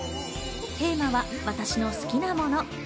テーマは、私の好きなもの。